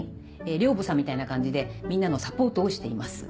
寮母さんみたいな感じでみんなのサポートをしています。